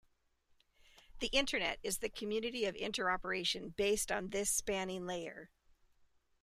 The Internet is the community of interoperation based on this spanning layer.